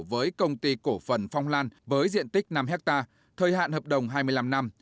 với công ty cổ phần phong lan với diện tích năm hectare thời hạn hợp đồng hai mươi năm năm